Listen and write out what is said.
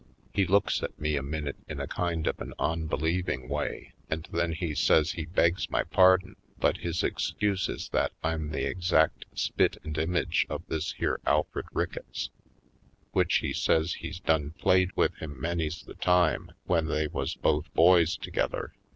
He looks at me a minute in a kind of an onbelieving way and then he says he begs my pardon, but his excuse is that I'm the exact spit and image of this here Alfred Ricketts, which he says he's done played with him many's the time, when they was both boys together.